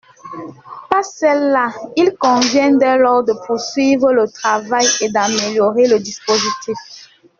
Pas celles-là ! Il convient dès lors de poursuivre le travail et d’améliorer le dispositif.